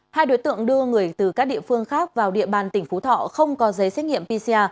hai đối tượng đưa người từ các địa phương khác vào địa bàn tỉnh phú thọ không có giấy xét nghiệm pcr